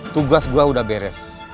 tugas gue sudah beres